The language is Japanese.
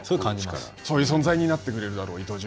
そういう存在になってくれると。